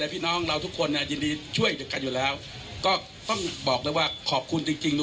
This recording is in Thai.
พี่น้องเราทุกคนเนี่ยยินดีช่วยกันอยู่แล้วก็ต้องบอกเลยว่าขอบคุณจริงจริง